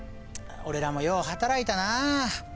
俺らもよう働いたなあ。